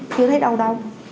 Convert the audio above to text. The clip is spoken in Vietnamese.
chưa thấy đâu đâu